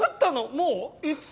もう。いつ？